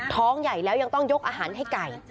ท้องใหญ่แล้วยังต้องยกอาหารให้ไก่